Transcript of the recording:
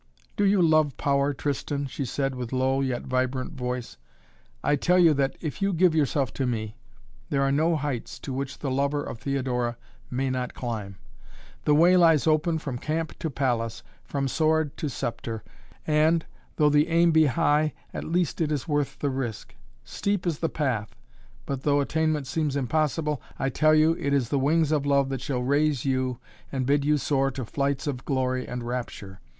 "Do you love power, Tristan?" she said with low, yet vibrant voice. "I tell you that, if you give yourself to me, there are no heights to which the lover of Theodora may not climb. The way lies open from camp to palace, from sword to sceptre, and, though the aim be high, at least it is worth the risk. Steep is the path, but, though attainment seems impossible, I tell you it is the wings of love that shall raise you and bid you soar to flights of glory and rapture.